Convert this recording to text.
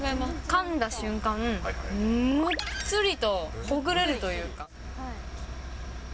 かんだ瞬間、むっつりとほぐれるというか。